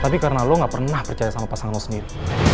tapi karena lo gak pernah percaya sama pasangan lo sendiri